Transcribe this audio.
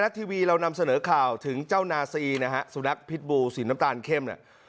ทีวีเรานำเสนอข่าวถึงเจ้านาซีนะฮะสุนัขพิษบูสีน้ำตาลเข้มเนี่ย